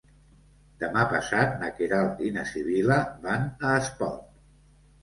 Demà passat na Queralt i na Sibil·la van a Espot.